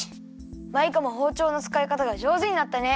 マイカもほうちょうのつかいかたがじょうずになったね。